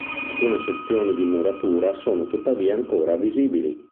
Alcune sezioni di muratura sono tuttavia ancora visibili.